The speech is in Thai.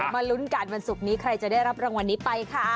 มาลุ้นกันวันศุกร์นี้ใครจะได้รับรางวัลนี้ไปค่ะ